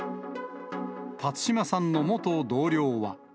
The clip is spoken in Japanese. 辰島さんの元同僚は。